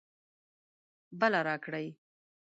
بله راکړئ